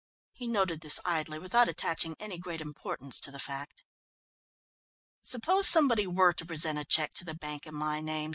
He noted this idly without attaching any great importance to the fact. "Suppose somebody were to present a cheque to the bank in my name?"